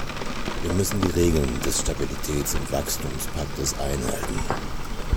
Wir müssen die Regeln des Stabilitäts- und Wachstumspaktes einhalten.